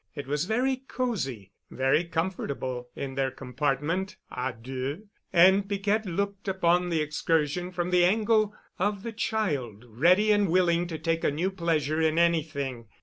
It was very cozy, very comfortable, in their compartment à deux, and Piquette looked upon the excursion from the angle of the child ready and willing to take a new pleasure in anything.